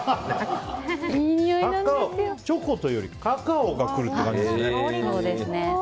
チョコというよりカカオが来るって感じですね。